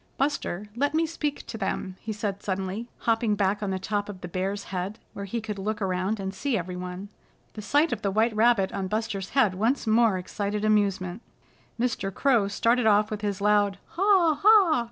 "Buster, let me speak to them," he said suddenly, hopping back on the top of the Bear's head where he could look around and see everyone. The sight of the white rabbit on Buster's head once more excited amusement. Mr. Crow started off with his loud "Ha! Ha!"